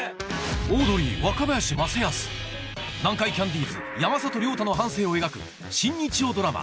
オードリー・若林正恭南海キャンディーズ・山里亮太の半生を描く新日曜ドラマ